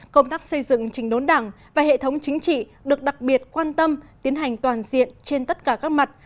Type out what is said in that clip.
công tác xây dựng trình đốn đảng và hệ thống chính trị được đặc biệt quan tâm tiến hành toàn diện trên tất cả các mặt